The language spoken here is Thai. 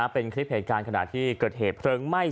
เป็นคลิปเหตุการณ์ขณะที่เกิดเหตุเพลิงไหม้